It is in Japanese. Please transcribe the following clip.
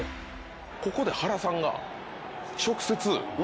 ここで原さんが直接。